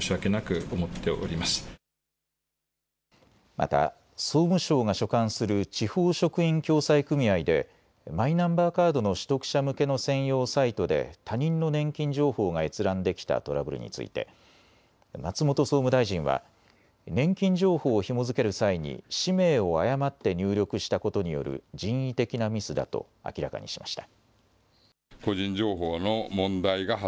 また総務省が所管する地方職員共済組合でマイナンバーカードの取得者向けの専用サイトで他人の年金情報が閲覧できたトラブルについて松本総務大臣は年金情報をひも付ける際に氏名を誤って入力したことによる人為的なミスだと明らかにしました。